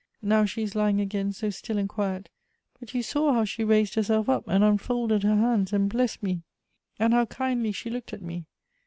Now she is lying again so still and quiet, but you saw how she raised herself up, and unfolded her hands and blessed me, and how kindly she looked at me.